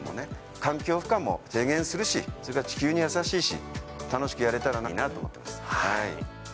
環境負荷も低減するしそれから地球に優しいし楽しくやれたらいいなと思っています。